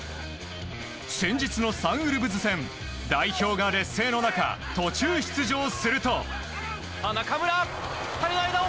先日のサンウルブズ戦代表側が劣勢の中途中出場すると。